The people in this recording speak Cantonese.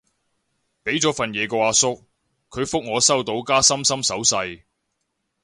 畀咗份嘢個阿叔，佢覆我收到加心心手勢